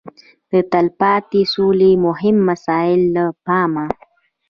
د تلپاتې سولې مهمه مساله له پامه